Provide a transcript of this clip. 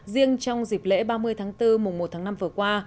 riêng trong dịp lễ ba mươi tháng bốn mùa một tháng năm vừa qua